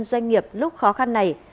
doanh nghiệp lúc khó khăn này